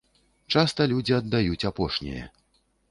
Часта людзі аддаюць апошняе.